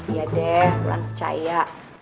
iya deh lu aneh caya